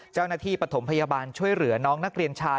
เจ้าหน้าที่ปฐมพยาบาลช่วยเหลือน้องนักเรียนชาย